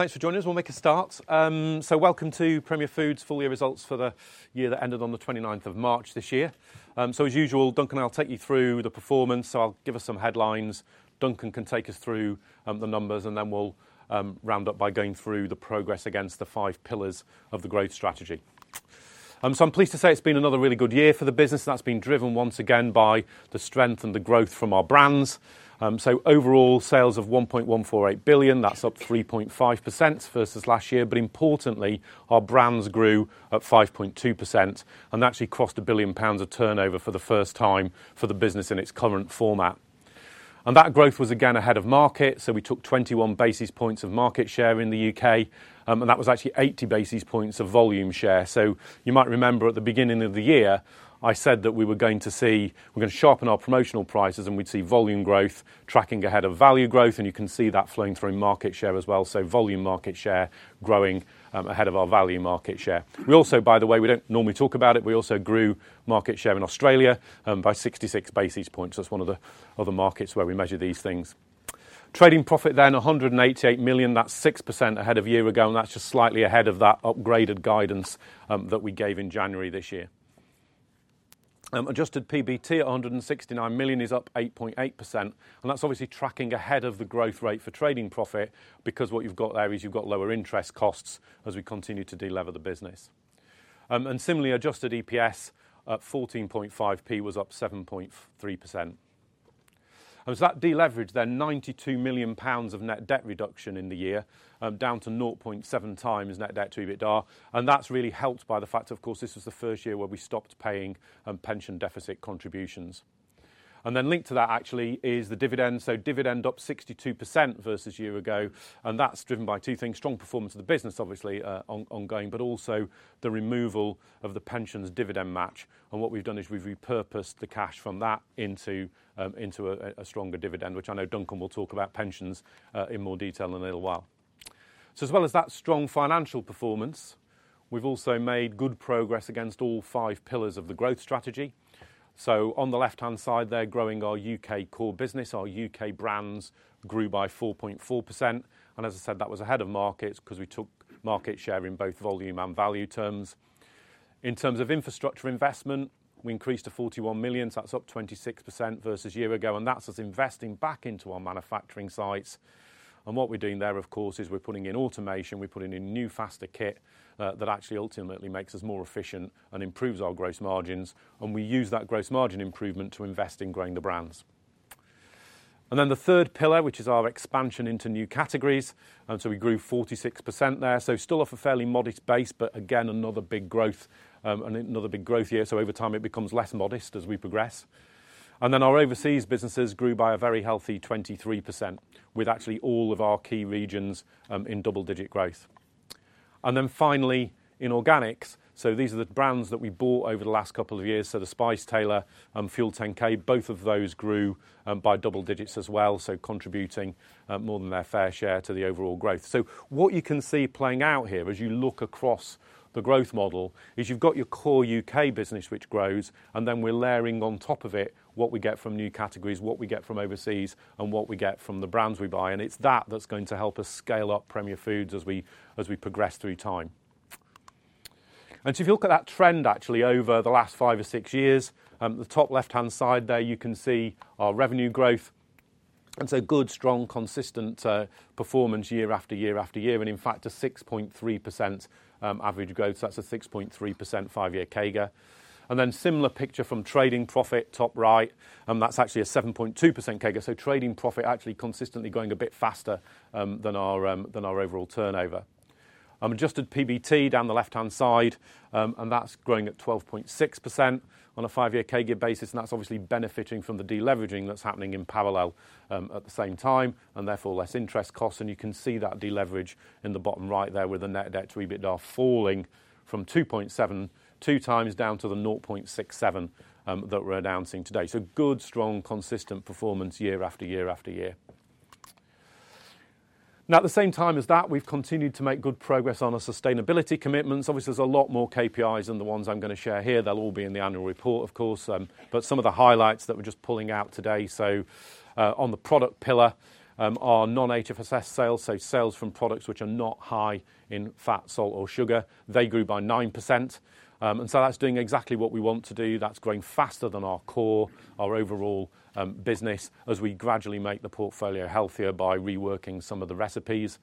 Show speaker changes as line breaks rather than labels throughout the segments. Thanks for joining us. We'll make a start. Welcome to Premier Foods Full Year Results for the year that ended on the 29th of March this year. As usual, Duncan, I'll take you through the performance. I'll give us some headlines. Duncan can take us through the numbers, and then we'll round up by going through the progress against the five pillars of the growth strategy. I'm pleased to say it's been another really good year for the business, and that's been driven once again by the strength and the growth from our brands. Overall sales of 1.148 billion, that's up 3.5% versus last year. Importantly, our brands grew at 5.2% and actually crossed a billion pounds of turnover for the first time for the business in its current format. That growth was again ahead of market. We took 21 basis points of market share in the U.K., and that was actually 80 basis points of volume share. You might remember at the beginning of the year I said that we were going to see, we're gonna sharpen our promotional prices and we'd see volume growth tracking ahead of value growth. You can see that flowing through market share as well. Volume market share growing, ahead of our value market share. We also, by the way, we do not normally talk about it. We also grew market share in Australia, by 66 basis points. That is one of the other markets where we measure these things. Trading profit then 188 million, that is 6% ahead of a year ago. That is just slightly ahead of that upgraded guidance, that we gave in January this year. Adjusted PBT at 169 million is up 8.8%. That is obviously tracking ahead of the growth rate for trading profit because what you have there is you have lower interest costs as we continue to delever the business. Similarly, adjusted EPS at 0.145 was up 7.3%. That deleverage then, 92 million pounds of net debt reduction in the year, down to 0.7 times net debt to EBITDA. That is really helped by the fact that, of course, this was the first year where we stopped paying pension deficit contributions. Linked to that actually is the dividend. Dividend up 62% versus a year ago. That is driven by two things: strong performance of the business, obviously ongoing, but also the removal of the pensions dividend match. What we've done is we've repurposed the cash from that into a stronger dividend, which I know Duncan will talk about pensions in more detail in a little while. As well as that strong financial performance, we've also made good progress against all five pillars of the growth strategy. On the left-hand side there, growing our U.K. core business, our U.K. brands grew by 4.4%. As I said, that was ahead of markets because we took market share in both volume and value terms. In terms of infrastructure investment, we increased to 41 million. That's up 26% versus a year ago. That's us investing back into our manufacturing sites. What we're doing there, of course, is we're putting in automation. We're putting in new faster kit that actually ultimately makes us more efficient and improves our gross margins. We use that gross margin improvement to invest in growing the brands. The third pillar is our expansion into new categories. We grew 46% there, still off a fairly modest base, but again, another big growth and another big growth year. Over time it becomes less modest as we progress. Our overseas businesses grew by a very healthy 23% with actually all of our key regions in double-digit growth. Finally, in organics, these are the brands that we bought over the last couple of years. The Spice Tailor and FUEL10K, both of those grew by double digits as well, contributing more than their fair share to the overall growth. What you can see playing out here as you look across the growth model is you've got your core U.K. business which grows, and then we're layering on top of it what we get from new categories, what we get from overseas, and what we get from the brands we buy. It's that that's going to help us scale up Premier Foods as we progress through time. If you look at that trend actually over the last five or six years, the top left-hand side there you can see our revenue growth. Good, strong, consistent performance year after year after year. In fact, a 6.3% average growth. That's a 6.3% five-year CAGR. Then similar picture from trading profit top right. That's actually a 7.2% CAGR. Trading profit actually consistently going a bit faster than our overall turnover. Adjusted PBT down the left-hand side, and that's growing at 12.6% on a five-year CAGR basis. That's obviously benefiting from the deleveraging that's happening in parallel at the same time and therefore less interest costs. You can see that deleverage in the bottom right there with the net debt to EBITDA falling from 2.7x down to the 0.67x that we're announcing today. Good, strong, consistent performance year after year after year. Now at the same time as that, we've continued to make good progress on our sustainability commitments. Obviously, there's a lot more KPIs than the ones I'm gonna share here. They'll all be in the annual report, of course, but some of the highlights that we're just pulling out today. On the product pillar, our non-HFSS sales, so sales from products which are not high in fat, salt, or sugar, they grew by 9%. That is doing exactly what we want to do. That is growing faster than our core, our overall, business as we gradually make the portfolio healthier by reworking some of the recipes.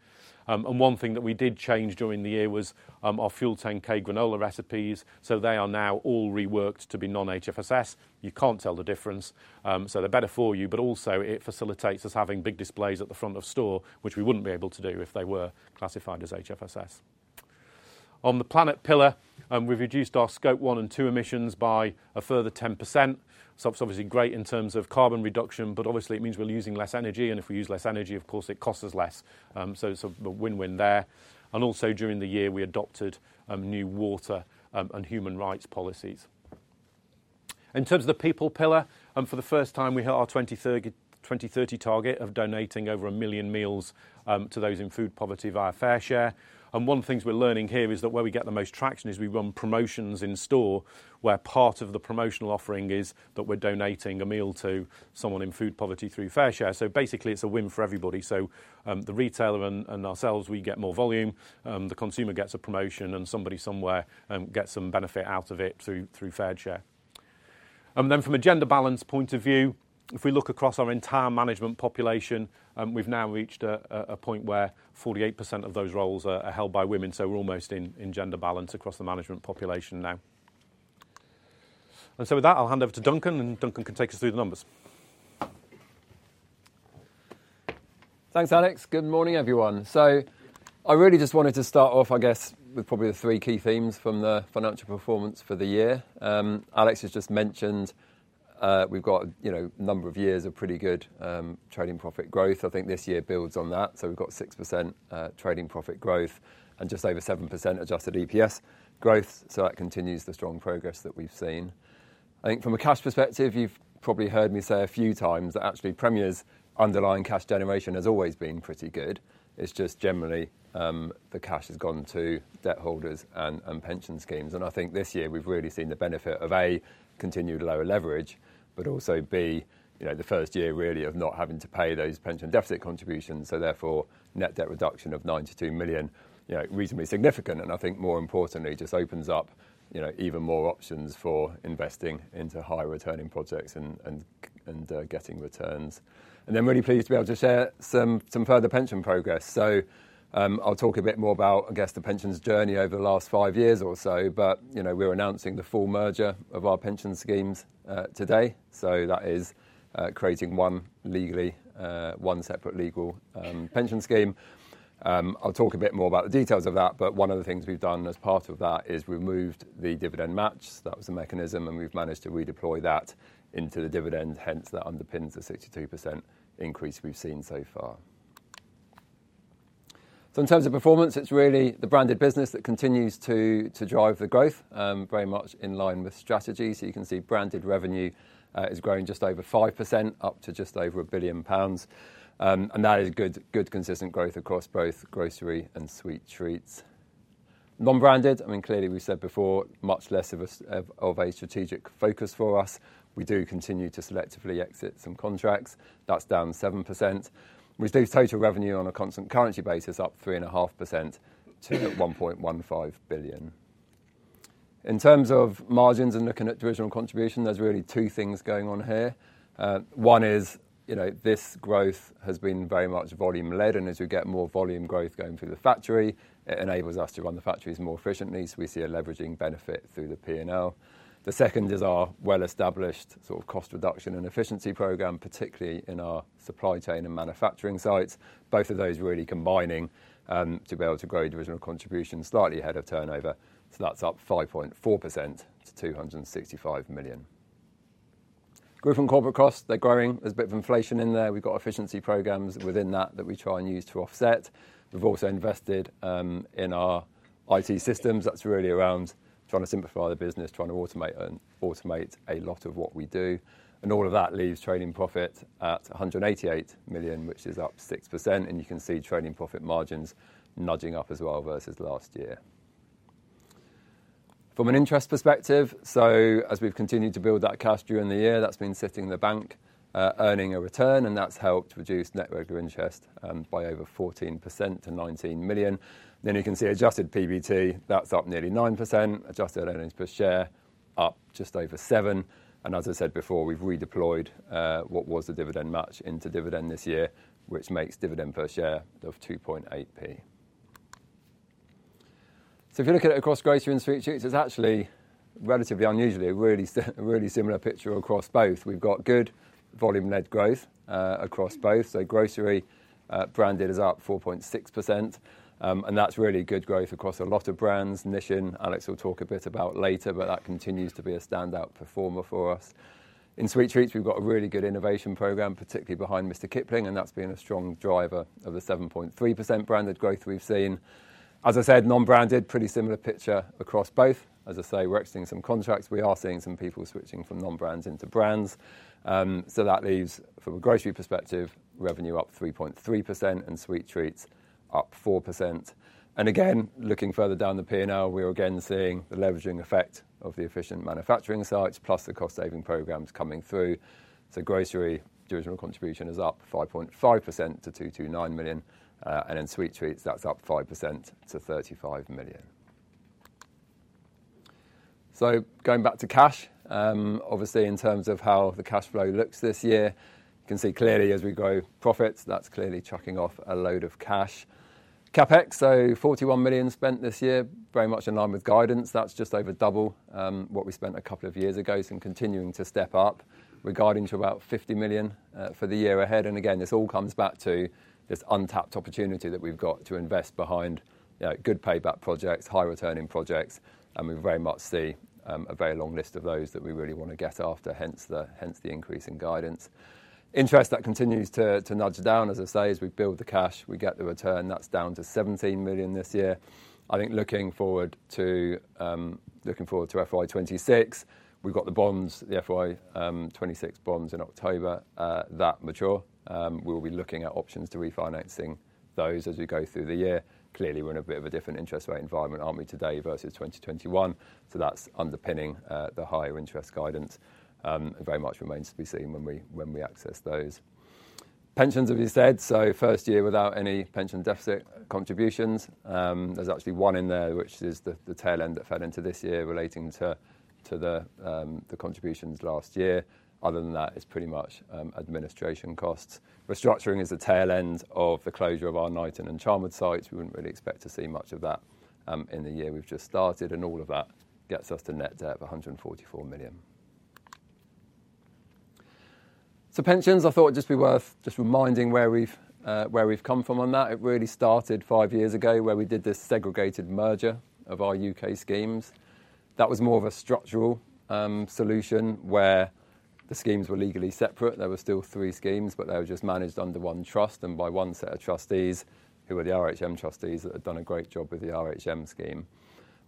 One thing that we did change during the year was our FUEL10K granola recipes. They are now all reworked to be non-HFSS. You cannot tell the difference, so they are better for you, but also it facilitates us having big displays at the front of store, which we would not be able to do if they were classified as HFSS. On the planet pillar, we have reduced our Scope 1 and 2 emissions by a further 10%. It is obviously great in terms of carbon reduction, but obviously it means we are losing less energy. If we use less energy, of course it costs us less. It is a win-win there. Also, during the year we adopted new water and human rights policies. In terms of the people pillar, for the first time we hit our 2030 target of donating over 1 million meals to those in food poverty via FareShare. One of the things we are learning here is that where we get the most traction is when we run promotions in store where part of the promotional offering is that we are donating a meal to someone in food poverty through Fair Share. Basically, it is a win for everybody. The retailer and ourselves, we get more volume. The consumer gets a promotion and somebody somewhere gets some benefit out of it through fair share. From a gender balance point of view, if we look across our entire management population, we've now reached a point where 48% of those roles are held by women. We're almost in gender balance across the management population now. With that, I'll hand over to Duncan, and Duncan can take us through the numbers.
Thanks, Alex. Good morning everyone. I really just wanted to start off, I guess, with probably the three key themes from the financial performance for the year. Alex has just mentioned, we have, you know, a number of years of pretty good trading profit growth. I think this year builds on that. We have 6% trading profit growth and just over 7% adjusted EPS growth. That continues the strong progress that we have seen. I think from a cash perspective, you have probably heard me say a few times that actually Premier's underlying cash generation has always been pretty good. It is just generally, the cash has gone to debt holders and pension schemes. I think this year we have really seen the benefit of a continued lower leverage, but also, you know, the first year really of not having to pay those pension deficit contributions. Therefore, net debt reduction of 92 million, you know, reasonably significant. I think more importantly, it just opens up, you know, even more options for investing into high returning projects and getting returns. I'm really pleased to be able to share some further pension progress. I'll talk a bit more about, I guess, the pension's journey over the last five years or so. You know, we are announcing the full merger of our pension schemes today. That is creating one separate legal pension scheme. I'll talk a bit more about the details of that. One of the things we've done as part of that is we moved the dividend match. That was a mechanism, and we've managed to redeploy that into the dividend. Hence, that underpins the 62% increase we've seen so far. In terms of performance, it's really the branded business that continues to drive the growth, very much in line with strategy. You can see branded revenue is growing just over 5% up to just over 1 billion pounds. That is good, consistent growth across both grocery and sweet treats. Non-branded, I mean, clearly we said before, much less of a strategic focus for us. We do continue to selectively exit some contracts. That's down 7%. We see total revenue on a constant currency basis up 3.5% to 1.15 billion. In terms of margins and looking at divisional contribution, there's really two things going on here. One is, you know, this growth has been very much volume led. As we get more volume growth going through the factory, it enables us to run the factories more efficiently. We see a leveraging benefit through the P&L. The second is our well-established sort of cost reduction and efficiency program, particularly in our supply chain and manufacturing sites. Both of those really combining to be able to grow divisional contribution slightly ahead of turnover. That's up 5.4% to 265 million. Growth in corporate costs, they're growing. There's a bit of inflation in there. We've got efficiency programs within that that we try and use to offset. We've also invested in our IT systems. That's really around trying to simplify the business, trying to automate and automate a lot of what we do. All of that leaves trading profit at 188 million, which is up 6%. You can see trading profit margins nudging up as well versus last year. From an interest perspective, as we have continued to build that cash during the year, that has been sitting in the bank, earning a return. That has helped reduce net regular interest by over 14% to 19 million. You can see adjusted PBT, that is up nearly 9%. Adjusted earnings per share up just over 7%. As I said before, we have redeployed what was the dividend match into dividend this year, which makes dividend per share of 0.028. If you look at it across grocery and sweet treats, it is actually, relatively unusually, a really, really similar picture across both. We have got good volume led growth across both. Grocery, branded is up 4.6%, and that is really good growth across a lot of brands. Nissin, Alex will talk a bit about later, but that continues to be a standout performer for us. In sweet treats, we've got a really good innovation program, particularly behind Mr Kipling. And that's been a strong driver of the 7.3% branded growth we've seen. As I said, non-branded, pretty similar picture across both. As I say, we're exiting some contracts. We are seeing some people switching from non-brands into brands. so that leaves from a grocery perspective, revenue up 3.3% and sweet treats up 4%. Again, looking further down the P&L, we are again seeing the leveraging effect of the efficient manufacturing sites plus the cost saving programs coming through. Grocery divisional contribution is up 5.5% to 229 million, and in sweet treats, that's up 5% to 35 million. Going back to cash, obviously in terms of how the cash flow looks this year, you can see clearly as we grow profits, that's clearly chucking off a load of cash. CapEx, so 41 million spent this year, very much in line with guidance. That is just over double what we spent a couple of years ago. I am continuing to step up. We are guiding to about 50 million for the year ahead. This all comes back to this untapped opportunity that we have got to invest behind, you know, good payback projects, high returning projects. We very much see a very long list of those that we really want to get after. Hence the increase in guidance. Interest continues to nudge down. As I say, as we build the cash, we get the return. That is down to 17 million this year. I think looking forward to, looking forward to FY 2026, we have got the bonds, the FY 2026 bonds in October, that mature. We'll be looking at options to refinancing those as we go through the year. Clearly, we're in a bit of a different interest rate environment, aren't we today versus 2021? That's underpinning the higher interest guidance. very much remains to be seen when we, when we access those. Pensions, as we said. first year without any pension deficit contributions. there's actually one in there, which is the tail end that fed into this year relating to the contributions last year. Other than that, it's pretty much administration costs. Restructuring is the tail end of the closure of our Knighton and Charnwood sites. We wouldn't really expect to see much of that in the year we've just started. All of that gets us to net debt of 144 million. Pensions, I thought it'd just be worth just reminding where we've, where we've come from on that. It really started five years ago where we did this segregated merger of our U.K. schemes. That was more of a structural solution where the schemes were legally separate. There were still three schemes, but they were just managed under one trust and by one set of trustees who were the RHM trustees that had done a great job with the RHM scheme.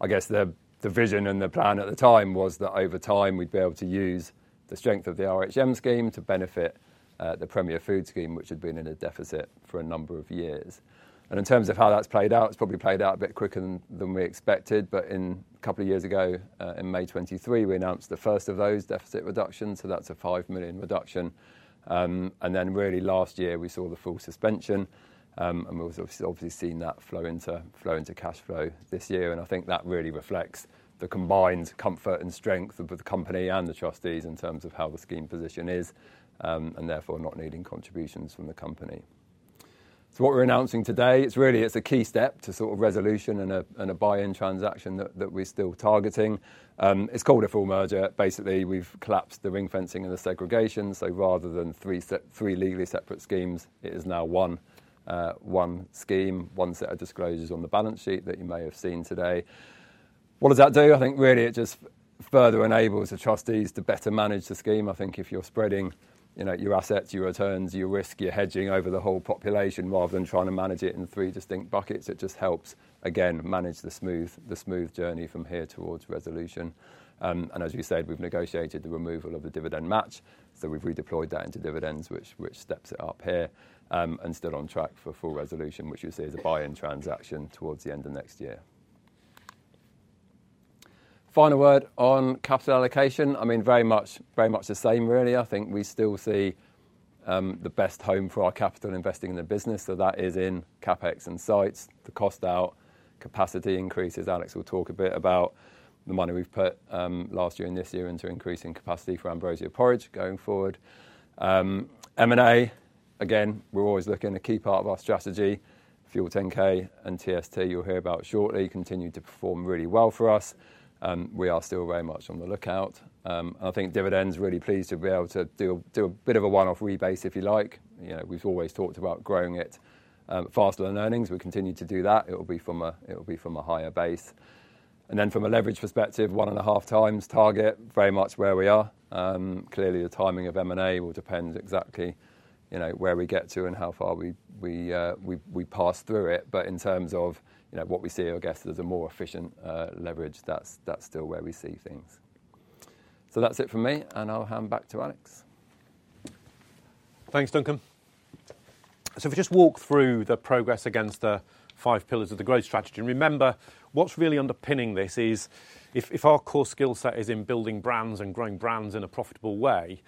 I guess the vision and the plan at the time was that over time we'd be able to use the strength of the RHM scheme to benefit the Premier Foods scheme, which had been in a deficit for a number of years. In terms of how that's played out, it's probably played out a bit quicker than we expected. A couple of years ago, in May 2023, we announced the first of those deficit reductions. That is a 5 million reduction. Last year we saw the full suspension. We have obviously seen that flow into cash flow this year. I think that really reflects the combined comfort and strength of the company and the trustees in terms of how the scheme position is, and therefore not needing contributions from the company. What we are announcing today is really a key step to resolution and a buy-in transaction that we are still targeting. It is called a full merger. Basically, we have collapsed the ring fencing and the segregation. Rather than three legally separate schemes, it is now one scheme, one set of disclosures on the balance sheet that you may have seen today. What does that do? I think really it just further enables the trustees to better manage the scheme. I think if you are spreading, you know, your assets, your returns, your risk, your hedging over the whole population rather than trying to manage it in three distinct buckets, it just helps again manage the smooth journey from here towards resolution. As you said, we have negotiated the removal of the dividend match. We have redeployed that into dividends, which steps it up here, and still on track for full resolution, which you see as a buy-in transaction towards the end of next year. Final word on capital allocation. I mean, very much the same really. I think we still see the best home for our capital investing in the business. That is in CapEx and sites. The cost out capacity increases. Alex will talk a bit about the money we have put, last year and this year into increasing capacity for Ambrosia porridge going forward. M&A, again, we are always looking at a key part of our strategy. FUEL10K and TST, you will hear about shortly, continue to perform really well for us. We are still very much on the lookout. I think dividends, really pleased to be able to do, do a bit of a one-off rebase if you like. You know, we have always talked about growing it, faster than earnings. We continue to do that. It will be from a, it will be from a higher base. From a leverage perspective, one and a half times target, very much where we are. Clearly the timing of M&A will depend exactly, you know, where we get to and how far we pass through it. In terms of, you know, what we see, I guess there's a more efficient leverage. That's still where we see things. That's it for me. I'll hand back to Alex.
Thanks, Duncan. If we just walk through the progress against the five pillars of the growth strategy, and remember what's really underpinning this is if our core skillset is in building brands and growing brands in a profitable way,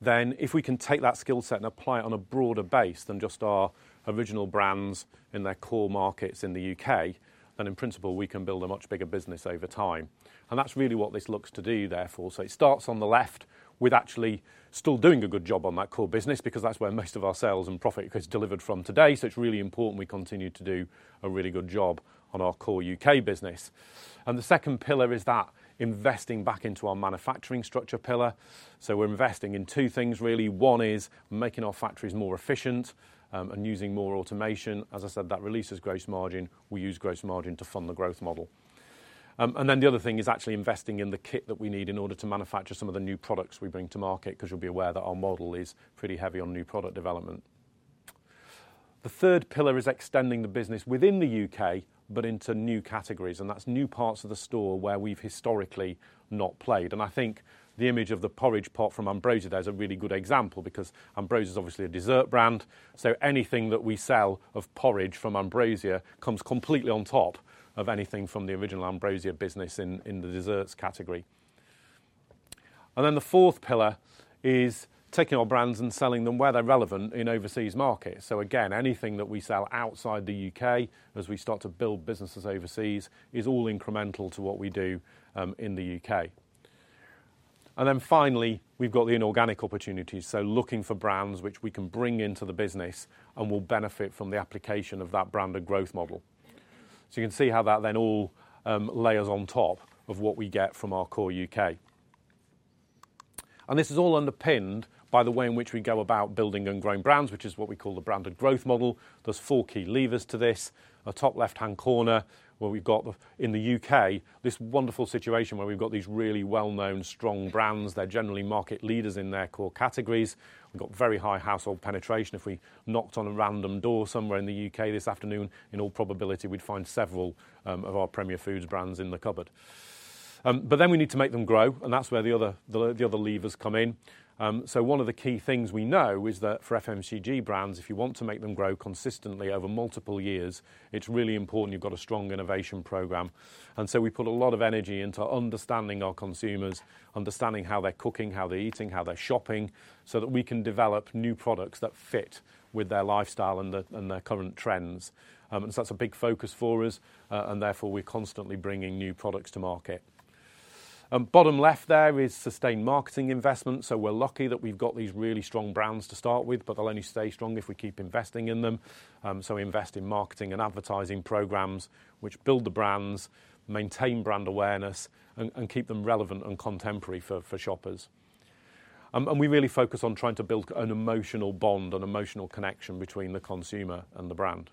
then if we can take that skillset and apply it on a broader base than just our original brands in their core markets in the U.K., then in principle we can build a much bigger business over time. That's really what this looks to do therefore. It starts on the left with actually still doing a good job on that core business because that's where most of our sales and profit is delivered from today. It's really important we continue to do a really good job on our core U.K. business. The second pillar is that investing back into our manufacturing structure pillar. We're investing in two things really. One is making our factories more efficient, and using more automation. As I said, that releases gross margin. We use gross margin to fund the growth model. Then the other thing is actually investing in the kit that we need in order to manufacture some of the new products we bring to market. 'Cause you'll be aware that our model is pretty heavy on new product development. The third pillar is extending the business within the U.K., but into new categories. That's new parts of the store where we've historically not played. I think the image of the porridge pot from Ambrosia is a really good example because Ambrosia is obviously a dessert brand. Anything that we sell of porridge from Ambrosia comes completely on top of anything from the original Ambrosia business in the desserts category. Then the fourth pillar is taking our brands and selling them where they're relevant in overseas markets. Again, anything that we sell outside the U.K. as we start to build businesses overseas is all incremental to what we do in the U.K. Finally, we've got the inorganic opportunities. Looking for brands which we can bring into the business and will benefit from the application of that branded growth model. You can see how that then all layers on top of what we get from our core U.K. This is all underpinned by the way in which we go about building and growing brands, which is what we call the branded growth model. There are four key levers to this. Top left-hand corner where we've got, in the U.K., this wonderful situation where we've got these really well-known strong brands. They're generally market leaders in their core categories. We've got very high household penetration. If we knocked on a random door somewhere in the U.K. this afternoon, in all probability we'd find several of our Premier Foods brands in the cupboard. but then we need to make them grow. That's where the other levers come in. One of the key things we know is that for FMCG brands, if you want to make them grow consistently over multiple years, it's really important you've got a strong innovation program. We put a lot of energy into understanding our consumers, understanding how they're cooking, how they're eating, how they're shopping, so that we can develop new products that fit with their lifestyle and their current trends. That's a big focus for us. And therefore we are constantly bringing new products to market. Bottom left there is sustained marketing investment. We are lucky that we have got these really strong brands to start with, but they will only stay strong if we keep investing in them. We invest in marketing and advertising programs which build the brands, maintain brand awareness, and keep them relevant and contemporary for shoppers. We really focus on trying to build an emotional bond, an emotional connection between the consumer and the brand.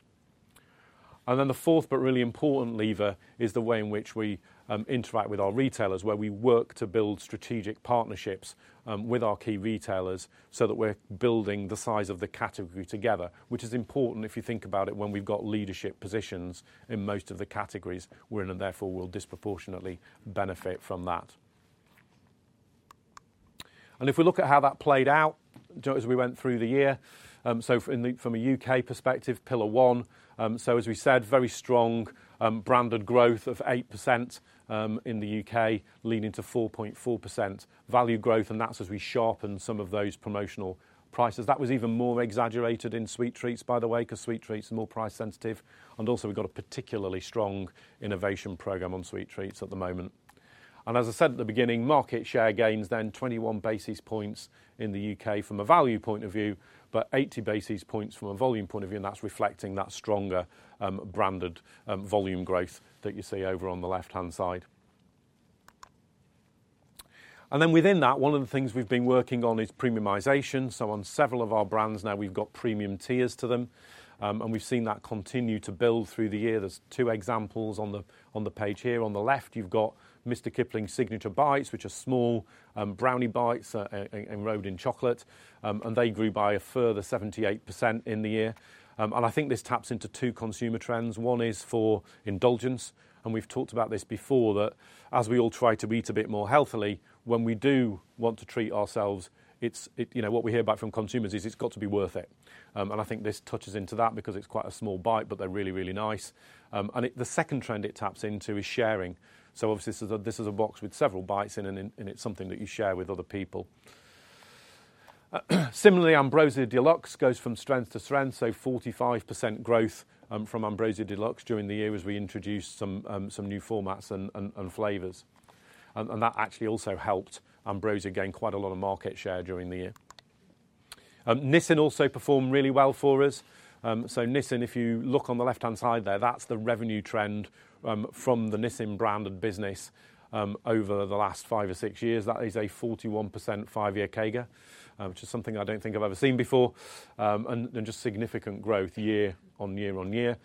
The fourth, but really important lever is the way in which we interact with our retailers, where we work to build strategic partnerships with our key retailers so that we're building the size of the category together, which is important if you think about it when we've got leadership positions in most of the categories we're in, and therefore we'll disproportionately benefit from that. If we look at how that played out as we went through the year, from a U.K. perspective, pillar one, as we said, very strong branded growth of 8% in the U.K., leading to 4.4% value growth. That's as we sharpened some of those promotional prices. That was even more exaggerated in sweet treats, by the way, because sweet treats are more price sensitive. We have a particularly strong innovation program on sweet treats at the moment. As I said at the beginning, market share gains were 21 basis points in the U.K. from a value point of view, but 80 basis points from a volume point of view. That is reflecting that stronger, branded, volume growth that you see over on the left-hand side. Within that, one of the things we have been working on is premiumization. On several of our brands now, we have premium tiers to them, and we have seen that continue to build through the year. There are two examples on the page here. On the left, you have Mr Kipling Signature Bites, which are small brownie bites that are enrobed in chocolate, and they grew by a further 78% in the year. I think this taps into two consumer trends. One is for indulgence. And we've talked about this before, that as we all try to eat a bit more healthily, when we do want to treat ourselves, it's, it, you know, what we hear back from consumers is it's got to be worth it. I think this touches into that because it's quite a small bite, but they're really, really nice. The second trend it taps into is sharing. Obviously this is a box with several bites in, and it's something that you share with other people. Similarly, Ambrosia Deluxe goes from strength to strength. 45% growth from Ambrosia Deluxe during the year as we introduced some new formats and flavors. That actually also helped Ambrosia gain quite a lot of market share during the year. Nissin also performed really well for us. Nissin, if you look on the left-hand side there, that's the revenue trend from the Nissin branded business over the last five or six years. That is a 41% five-year CAGR, which is something I don't think I've ever seen before, and just significant growth year on year on year.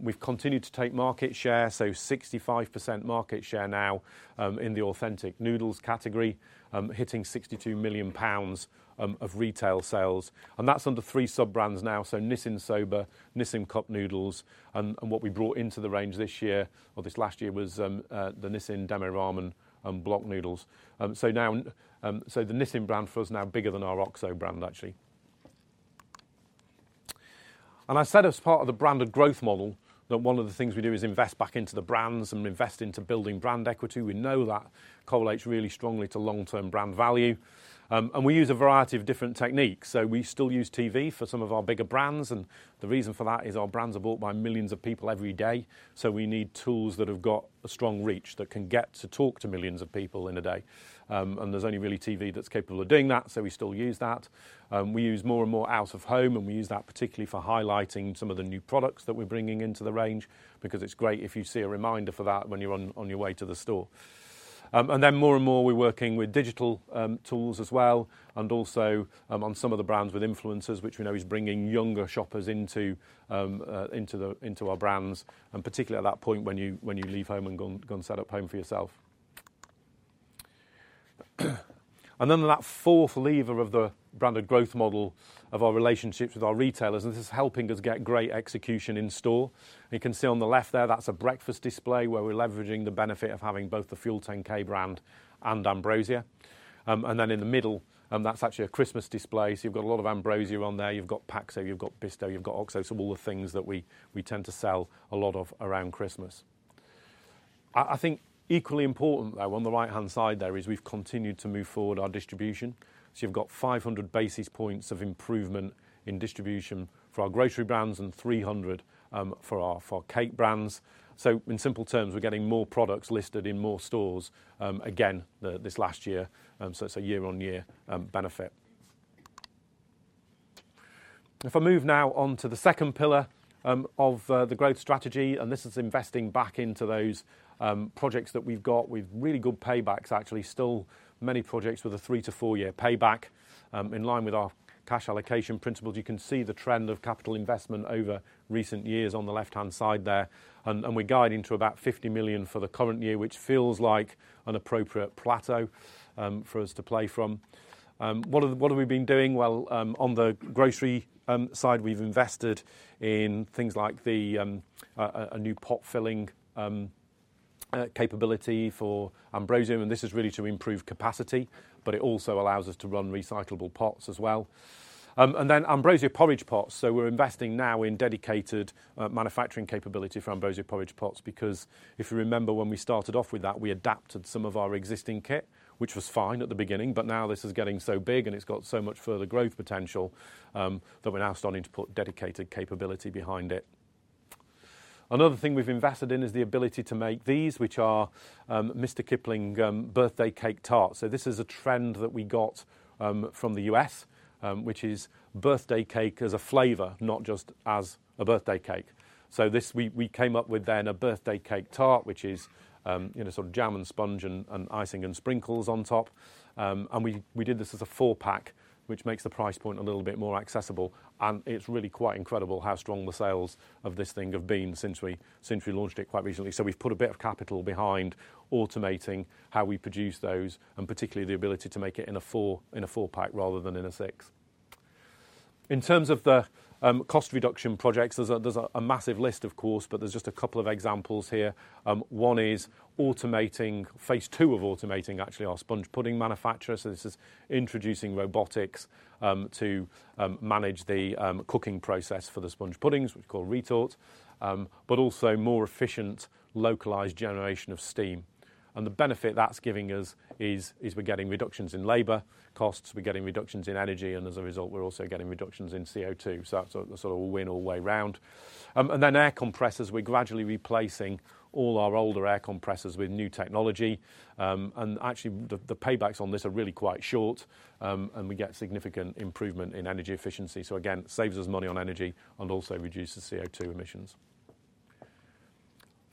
We've continued to take market share. 65% market share now in the authentic noodles category, hitting 62 million pounds of retail sales. That's under three sub-brands now: Nissin Soba, Nissin Cup Noodles, and what we brought into the range this year or this last year was the Nissin Demae Ramen block noodles. The Nissin brand for us is now bigger than our OXO brand actually. I said as part of the branded growth model that one of the things we do is invest back into the brands and invest into building brand equity. We know that correlates really strongly to long-term brand value, and we use a variety of different techniques. We still use TV for some of our bigger brands. The reason for that is our brands are bought by millions of people every day. We need tools that have got a strong reach that can get to talk to millions of people in a day, and there is only really TV that is capable of doing that. We still use that. We use more and more out of home, and we use that particularly for highlighting some of the new products that we are bringing into the range because it is great if you see a reminder for that when you are on your way to the store. More and more we are working with digital tools as well. Also, on some of the brands with influencers, which we know is bringing younger shoppers into our brands. Particularly at that point when you leave home and have gone and set up home for yourself. That fourth lever of the branded growth model is our relationships with our retailers, and this is helping us get great execution in store. You can see on the left there, that is a breakfast display where we are leveraging the benefit of having both the FUEL10K brand and Ambrosia. And then in the middle, that's actually a Christmas display. You have a lot of Ambrosia on there. You have Paxo, you have Bisto, you have OXO. All the things that we tend to sell a lot of around Christmas. I think equally important though, on the right-hand side there is we've continued to move forward our distribution. You have 500 basis points of improvement in distribution for our grocery brands and 300 for our cake brands. In simple terms, we're getting more products listed in more stores again this last year. It is a year-on-year benefit. If I move now onto the second pillar of the growth strategy, this is investing back into those projects that we've got with really good paybacks, actually still many projects with a three to four-year payback, in line with our cash allocation principles. You can see the trend of capital investment over recent years on the left-hand side there. We are guiding to about 50 million for the current year, which feels like an appropriate plateau for us to play from. What have we been doing? On the grocery side, we have invested in things like a new pot filling capability for Ambrosia. This is really to improve capacity, but it also allows us to run recyclable pots as well. Ambrosia porridge Pots, we are investing now in dedicated manufacturing capability for Ambrosia porridge pots. If you remember when we started off with that, we adapted some of our existing kit, which was fine at the beginning, but now this is getting so big and it has got so much further growth potential that we are now starting to put dedicated capability behind it. Another thing we've invested in is the ability to make these, which are Mr Kipling Birthday Cake Tarts. This is a trend that we got from the U.S., which is birthday cake as a flavor, not just as a birthday cake. We came up with then a birthday cake tart, which is, you know, sort of jam and sponge and icing and sprinkles on top. We did this as a four-pack, which makes the price point a little bit more accessible. It is really quite incredible how strong the sales of this thing have been since we launched it quite recently. We have put a bit of capital behind automating how we produce those and particularly the ability to make it in a four-pack rather than in a six. In terms of the cost reduction projects, there's a massive list of course, but there's just a couple of examples here. One is automating phase two of automating actually our sponge pudding manufacturer. This is introducing robotics to manage the cooking process for the sponge puddings, which we call retort, but also more efficient localized generation of steam. The benefit that's giving us is we're getting reductions in labor costs, we're getting reductions in energy, and as a result, we're also getting reductions in CO2. That's a sort of a win all the way around. Then air compressors, we're gradually replacing all our older air compressors with new technology. Actually, the paybacks on this are really quite short. We get significant improvement in energy efficiency. Again, saves us money on energy and also reduces CO2 emissions.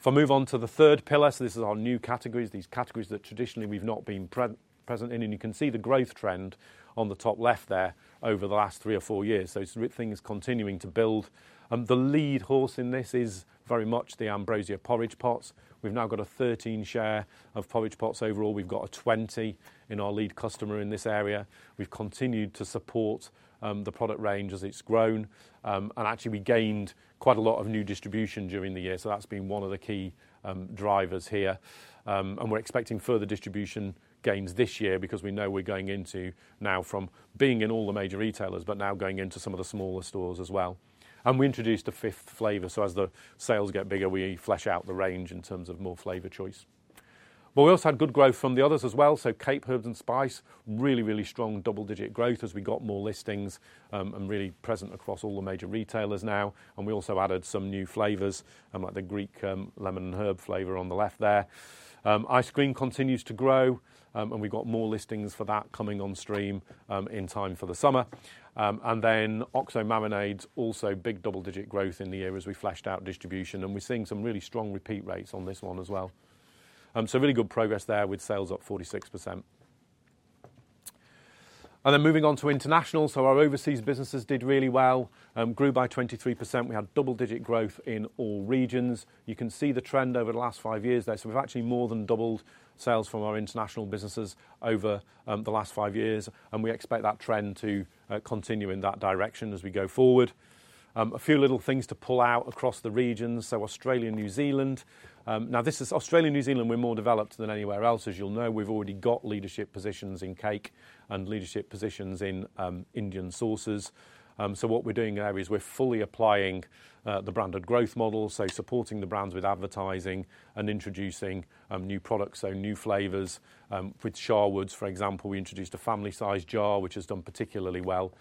If I move on to the third pillar, this is our new categories, these categories that traditionally we've not been present in. You can see the growth trend on the top left there over the last three or four years. It is things continuing to build. The lead horse in this is very much the Ambrosia porridge pots. We've now got a 13% share of porridge pots overall. We've got a 20% in our lead customer in this area. We've continued to support the product range as it's grown, and actually we gained quite a lot of new distribution during the year. That has been one of the key drivers here, and we're expecting further distribution gains this year because we know we're going into now from being in all the major retailers, but now going into some of the smaller stores as well. We introduced a fifth flavor. As the sales get bigger, we flesh out the range in terms of more flavor choice. We also had good growth from the others as well. Cape Herb & Spice, really, really strong double-digit growth as we got more listings, and really present across all the major retailers now. We also added some new flavors, like the Greek, lemon and herb flavor on the left there. Ice Cream continues to grow, and we have more listings for that coming on stream, in time for the summer. OXO marinades, also big double-digit growth in the year as we fleshed out distribution. We are seeing some really strong repeat rates on this one as well. Really good progress there with sales up 46%. Moving on to international. Our overseas businesses did really well, grew by 23%. We had double-digit growth in all regions. You can see the trend over the last five years there. We have actually more than doubled sales from our international businesses over the last five years. We expect that trend to continue in that direction as we go forward. A few little things to pull out across the regions. Australia, New Zealand. Now this is Australia, New Zealand, we are more developed than anywhere else. As you'll know, we have already got leadership positions in cake and leadership positions in Indian sauces. What we are doing there is we are fully applying the branded growth model. Supporting the brands with advertising and introducing new products. New flavors, with Sharwood's, for example, we introduced a family-sized jar which has done particularly well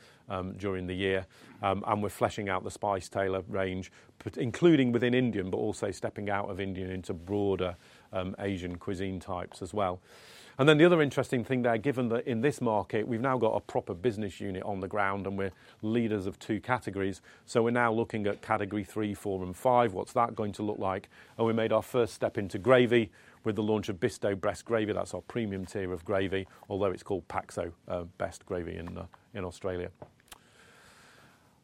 during the year. We're fleshing out the The Spice Tailor range, including within Indian, but also stepping out of Indian into broader Asian cuisine types as well. The other interesting thing there, given that in this market we've now got a proper business unit on the ground and we're leaders of two categories, we're now looking at category three, four, and five. What's that going to look like? We made our first step into gravy with the launch of Bisto Best Gravy. That's our premium tier of gravy, although it's called Bisto Best Gravy in Australia.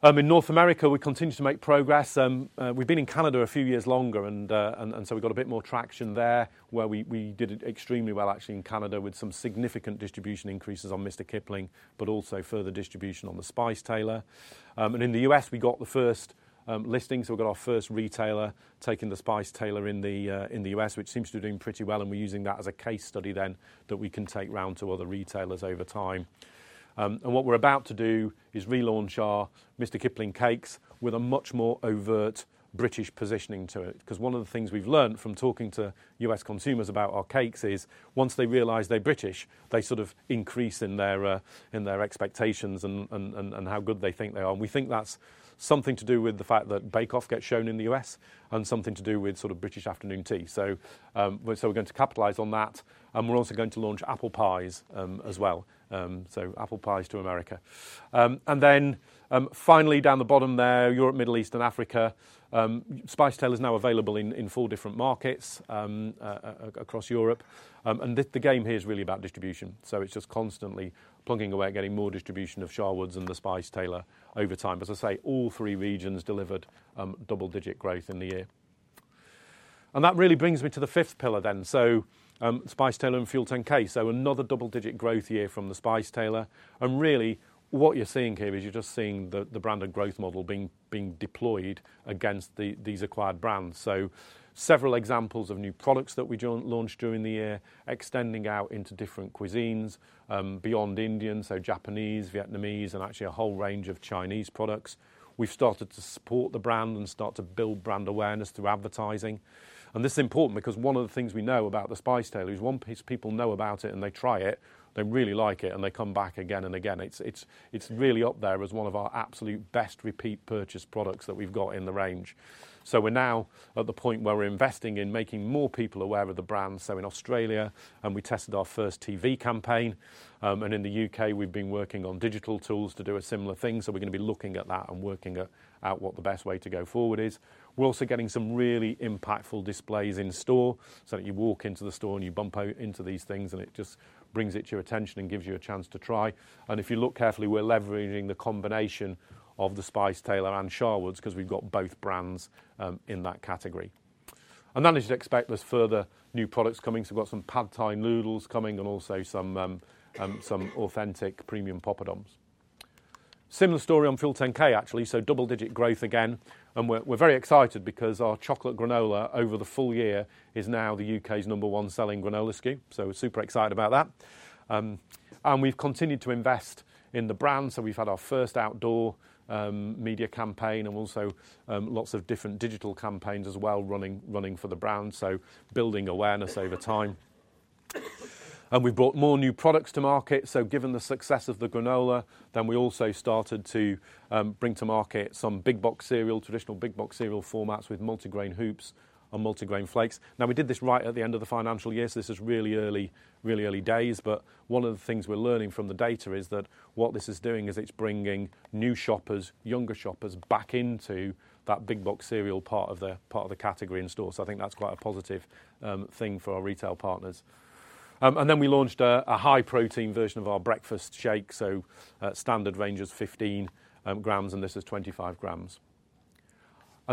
In North America, we continue to make progress. We've been in Canada a few years longer, so we've got a bit more traction there where we did extremely well actually in Canada with some significant distribution increases on Mr Kipling, but also further distribution on the Spice Tailor. In the U.S., we got the first listing. So we've got our first retailer taking The Spice Tailor in the U.S., which seems to be doing pretty well. We're using that as a case study that we can take round to other retailers over time. What we're about to do is relaunch our Mr Kipling cakes with a much more overt British positioning to it. 'Cause one of the things we've learned from talking to U.S. consumers about our cakes is once they realize they're British, they sort of increase in their expectations and how good they think they are. We think that's something to do with the fact that Bake-Off gets shown in the U.S. and something to do with British afternoon tea. We're going to capitalize on that. We're also going to launch apple pies, as well. Apple pies to America. Finally, down the bottom there, Europe, Middle East, and Africa, The Spice Tailor's now available in four different markets across Europe. The game here is really about distribution. It's just constantly plugging away, getting more distribution of Sharwood's and The Spice Tailor over time. As I say, all three regions delivered double-digit growth in the year. That really brings me to the fifth pillar then. The Spice Tailor and FUEL10K. Another double-digit growth year from The Spice Tailor. What you're seeing here is you're just seeing the branded growth model being deployed against these acquired brands. Several examples of new products that we launched during the year, extending out into different cuisines, beyond Indian. Japanese, Vietnamese, and actually a whole range of Chinese products. We've started to support the brand and start to build brand awareness through advertising. This is important because one of the things we know about The Spice Tailor is once people know about it and they try it, they really like it and they come back again and again. It's really up there as one of our absolute best repeat purchase products that we've got in the range. We are now at the point where we're investing in making more people aware of the brand. In Australia, we tested our first TV campaign. In the U.K., we've been working on digital tools to do a similar thing. We're gonna be looking at that and working at what the best way to go forward is. We're also getting some really impactful displays in store. You walk into the store and you bump out into these things and it just brings it to your attention and gives you a chance to try. If you look carefully, we're leveraging the combination of The Spice Tailor and Sharwood's 'cause we've got both brands in that category. That is to expect there's further new products coming. We've got some Pad Thai noodles coming and also some authentic premium poppadoms. Similar story on FUEL10K actually. Double-digit growth again. We're very excited because our chocolate granola over the full year is now the U.K.'s number one selling granola SKU. We're super excited about that, and we've continued to invest in the brand. We've had our first outdoor media campaign and also lots of different digital campaigns as well running for the brand. Building awareness over time. We've brought more new products to market. Given the success of the granola, we also started to bring to market some big box cereal, traditional big box cereal formats with multigrain hoops and multigrain flakes. We did this right at the end of the financial year. This is really early, really early days. One of the things we're learning from the data is that what this is doing is it's bringing new shoppers, younger shoppers back into that big box cereal part of the category in stores. I think that's quite a positive thing for our retail partners. We launched a high protein version of our breakfast shake. The standard range is 15 g and this is 25 g.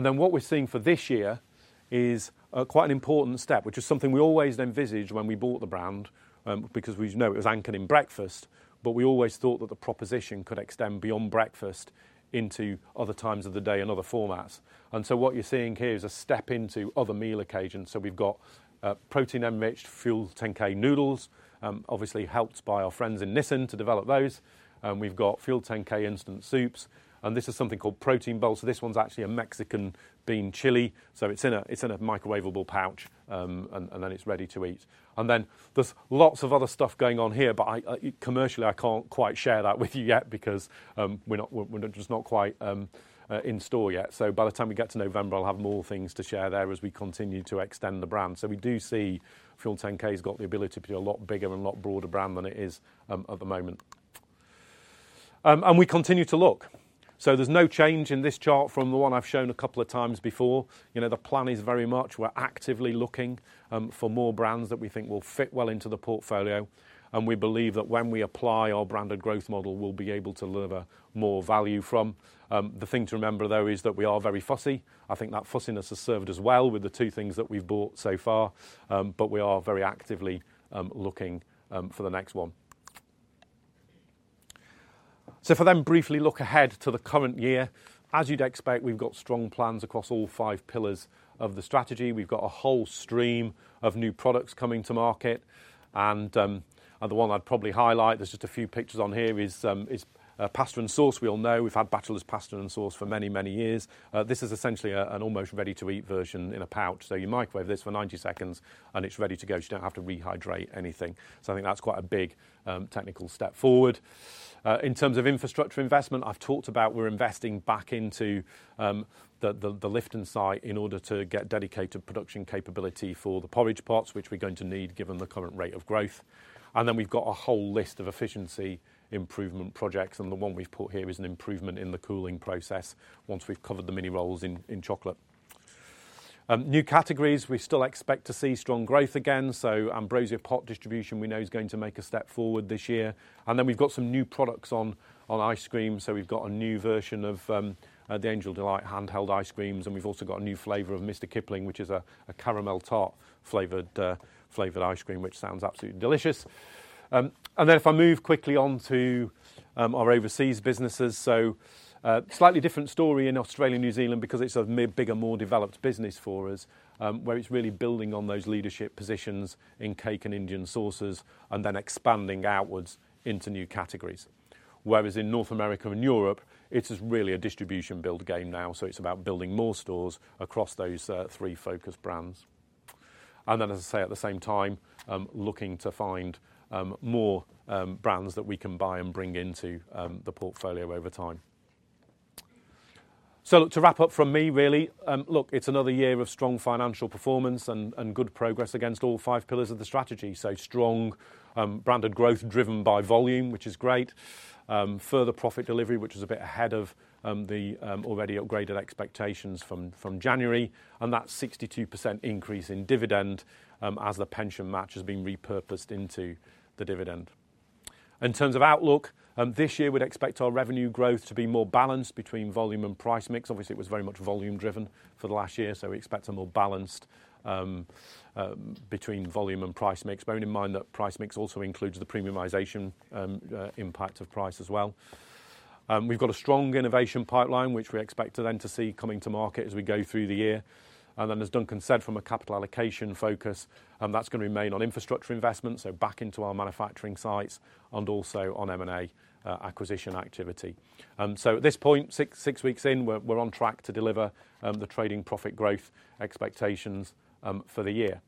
What we're seeing for this year is quite an important step, which is something we always envisaged when we bought the brand, because we know it was anchored in breakfast, but we always thought that the proposition could extend beyond breakfast into other times of the day and other formats. What you're seeing here is a step into other meal occasions. We've got protein-enriched FUEL10K noodles, obviously helped by our friends in Nissin to develop those. We've got FUEL10K instant soups. This is something called protein bowl. This one's actually a Mexican bean chili. It's in a microwavable pouch, and then it's ready to eat. There is lots of other stuff going on here, but commercially I cannot quite share that with you yet because we are not quite in store yet. By the time we get to November, I will have more things to share there as we continue to extend the brand. We do see FUEL10K has got the ability to be a lot bigger and a lot broader brand than it is at the moment, and we continue to look. There is no change in this chart from the one I have shown a couple of times before. The plan is very much we are actively looking for more brands that we think will fit well into the portfolio. We believe that when we apply our branded growth model, we will be able to deliver more value from it. The thing to remember though is that we are very fussy. I think that fussiness has served us well with the two things that we've bought so far. We are very actively looking for the next one. If I then briefly look ahead to the current year, as you'd expect, we've got strong plans across all five pillars of the strategy. We've got a whole stream of new products coming to market. The one I'd probably highlight, there's just a few pictures on here, is pasta and sauce. We all know we've had Batchelors Pasta 'n' Sauce for many, many years. This is essentially an almost ready-to-eat version in a pouch. You microwave this for 90 seconds and it's ready to go. You don't have to rehydrate anything. I think that's quite a big technical step forward. In terms of infrastructure investment, I've talked about we're investing back into the lift and site in order to get dedicated production capability for the porridge pots, which we're going to need given the current rate of growth. We have a whole list of efficiency improvement projects. The one we've put here is an improvement in the cooling process once we've covered the mini rolls in chocolate. New categories we still expect to see strong growth again. Ambrosia pot distribution we know is going to make a step forward this year. We have some new products on ice cream. We've got a new version of the Angel Delight handheld ice creams. We've also got a new flavor of Mr Kipling, which is a caramel tart flavored ice cream, which sounds absolutely delicious. If I move quickly onto our overseas businesses, slightly different story in Australia, New Zealand, because it is a mid, bigger, more developed business for us, where it is really building on those leadership positions in cake and Indian sauces and then expanding outwards into new categories. Whereas in North America and Europe, it is really a distribution build game now. It is about building more stores across those three focus brands. At the same time, looking to find more brands that we can buy and bring into the portfolio over time. To wrap up from me, it is another year of strong financial performance and good progress against all five pillars of the strategy. Strong branded growth driven by volume, which is great. Further profit delivery, which is a bit ahead of the already upgraded expectations from January. Is a 62% increase in dividend, as the pension match has been repurposed into the dividend. In terms of outlook, this year we would expect our revenue growth to be more balanced between volume and price mix. Obviously, it was very much volume driven for the last year. We expect a more balanced, between volume and price mix, bearing in mind that price mix also includes the premiumization, impact of price as well. We have a strong innovation pipeline, which we expect to then see coming to market as we go through the year. As Duncan said, from a capital allocation focus, that is going to remain on infrastructure investments, back into our manufacturing sites and also on M&A, acquisition activity. At this point, six weeks in, we are on track to deliver the trading profit growth expectations for the year.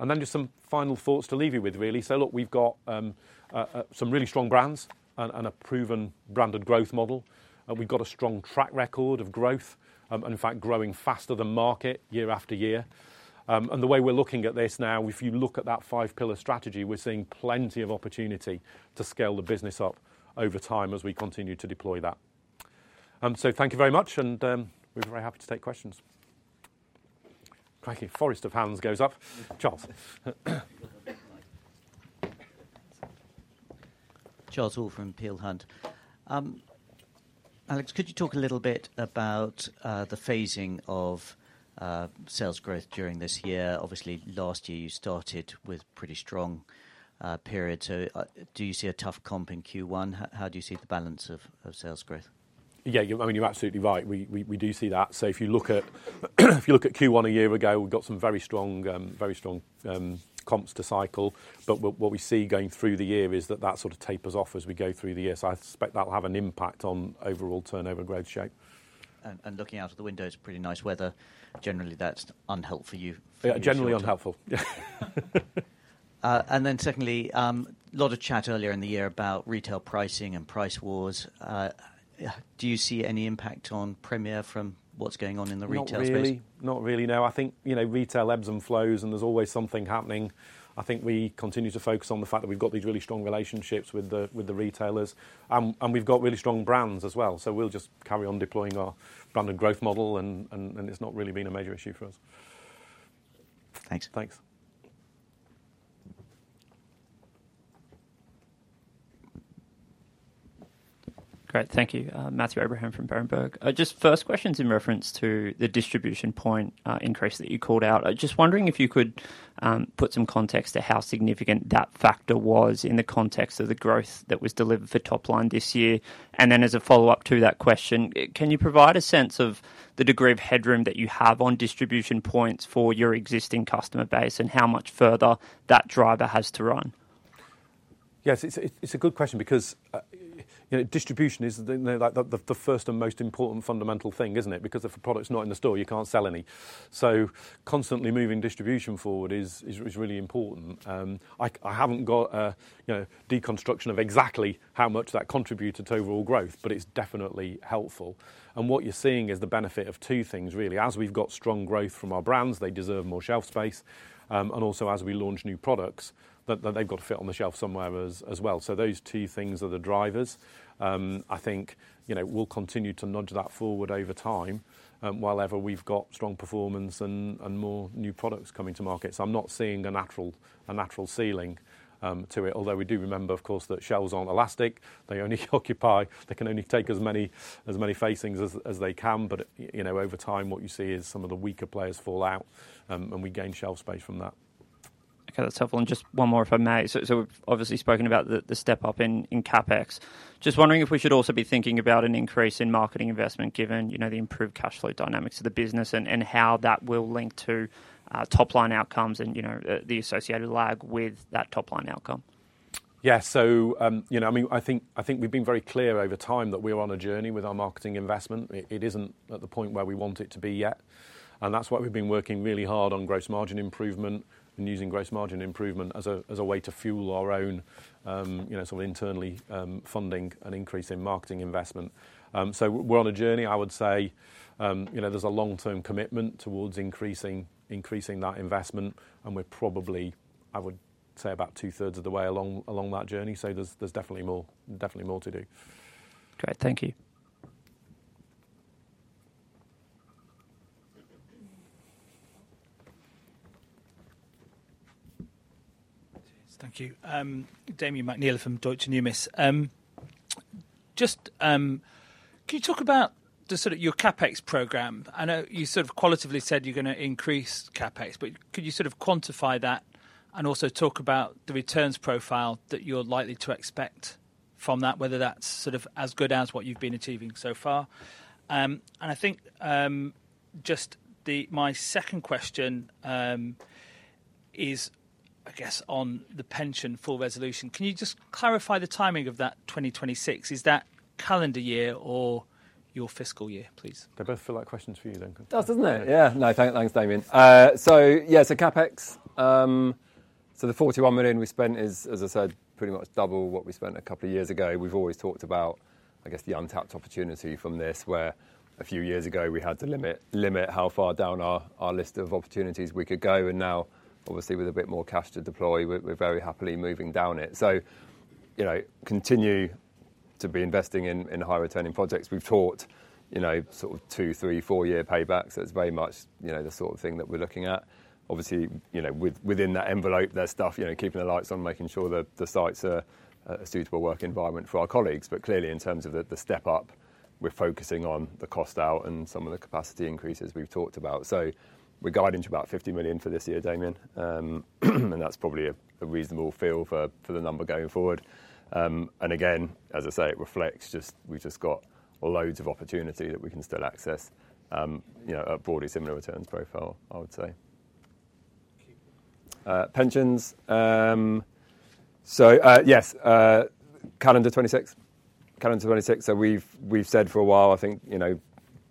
And then just some final thoughts to leave you with, really. Look, we've got some really strong brands and a proven branded growth model. We've got a strong track record of growth, and in fact growing faster than market year after year. The way we're looking at this now, if you look at that five pillar strategy, we're seeing plenty of opportunity to scale the business up over time as we continue to deploy that. Thank you very much. We're very happy to take questions. Cracking forest of hands goes up. Charles.
Charles Hall from Peel Hunt, Alex, could you talk a little bit about the phasing of sales growth during this year? Obviously, last year you started with pretty strong period. Do you see a tough comp in Q1? How do you see the balance of sales growth?
Yeah, you, I mean, you're absolutely right. We do see that. If you look at Q1 a year ago, we've got some very strong comps to cycle. What we see going through the year is that that sort of tapers off as we go through the year. I suspect that'll have an impact on overall turnover growth shape.
Looking out of the window, it's pretty nice weather. Generally, that's unhelpful for you.
Yeah, generally unhelpful.
Yeah. Secondly, a lot of chat earlier in the year about retail pricing and price wars. Do you see any impact on Premier from what's going on in the retail space?
Not really. Not really. No, I think, you know, retail ebbs and flows and there's always something happening. I think we continue to focus on the fact that we've got these really strong relationships with the retailers, and we've got really strong brands as well. We will just carry on deploying our branded growth model, and it's not really been a major issue for us.
Thanks.
Thank you. Matthew Abraham from Berenberg. Just first question in reference to the distribution point increase that you called out. Just wondering if you could put some context to how significant that factor was in the context of the growth that was delivered for top line this year. And then as a follow-up to that question, can you provide a sense of the degree of headroom that you have on distribution points for your existing customer base and how much further that driver has to run?
Yes, it's a good question because, you know, distribution is the first and most important fundamental thing, isn't it? Because if a product's not in the store, you can't sell any. Constantly moving distribution forward is really important. I haven't got a, you know, deconstruction of exactly how much that contributed to overall growth, but it's definitely helpful. What you're seeing is the benefit of two things, really. As we've got strong growth from our brands, they deserve more shelf space. Also, as we launch new products, they've got to fit on the shelf somewhere as well. Those two things are the drivers. I think, you know, we'll continue to nudge that forward over time, whileever we've got strong performance and more new products coming to market. I'm not seeing a natural, a natural ceiling to it. Although we do remember, of course, that shelves aren't elastic. They only occupy, they can only take as many, as many facings as they can. You know, over time, what you see is some of the weaker players fall out, and we gain shelf space from that.
Okay, that's helpful. Just one more, if I may. We've obviously spoken about the step up in CapEx. Just wondering if we should also be thinking about an increase in marketing investment given, you know, the improved cash flow dynamics of the business and how that will link to top line outcomes and, you know, the associated lag with that top line outcome.
Yeah. You know, I mean, I think, I think we've been very clear over time that we are on a journey with our marketing investment. It isn't at the point where we want it to be yet. That's why we've been working really hard on gross margin improvement and using gross margin improvement as a way to fuel our own, you know, sort of internally, funding and increase in marketing investment. We're on a journey, I would say, you know, there's a long-term commitment towards increasing, increasing that investment. We're probably, I would say, about two-thirds of the way along that journey. There's definitely more, definitely more to do.
Great. Thank you.
Thank you. Damian McNeill from Deutsche Numis. Just, can you talk about the sort of your CapEx program? I know you sort of qualitatively said you're gonna increase CapEx, but could you sort of quantify that and also talk about the returns profile that you are likely to expect from that, whether that's sort of as good as what you've been achieving so far? I think, just the, my second question, is, I guess, on the pension full resolution. Can you just clarify the timing of that 2026? Is that calendar year or your fiscal year, please?
They both feel like questions for you, Duncan.
Does, doesn't it? Yeah. No, thanks. Thanks, Damian. So yeah, so CapEx, so the 41 million we spent is, as I said, pretty much double what we spent a couple of years ago. We've always talked about, I guess, the untapped opportunity from this where a few years ago we had to limit how far down our list of opportunities we could go. Now, obviously, with a bit more cash to deploy, we're very happily moving down it. You know, continue to be investing in high returning projects. We've talked, you know, sort of two, three, four-year paybacks. That's very much, you know, the sort of thing that we're looking at. Obviously, within that envelope, there's stuff, you know, keeping the lights on, making sure the sites are a suitable work environment for our colleagues. Clearly, in terms of the step up, we're focusing on the cost out and some of the capacity increases we've talked about. We're guiding to about 50 million for this year, Damian. That's probably a reasonable feel for the number going forward. As I say, it reflects just, we've just got loads of opportunity that we can still access, you know, a broadly similar returns profile, I would say. Keep it, pensions. Yes, calendar 2026, calendar 2026. We've said for a while, I think, you know,